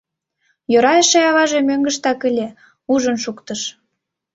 Йӧра эше аваже мӧҥгыштак ыле, ужын шуктыш.